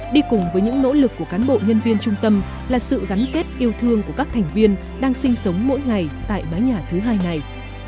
đi cùng với những nỗ lực của cán bộ nhân viên trung tâm là sự gắn kết yêu thương của các thành viên đang sinh sống mỗi ngày tại mái nhà thứ hai này